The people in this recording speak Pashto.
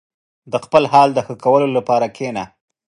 • د خپل حال د ښه کولو لپاره کښېنه.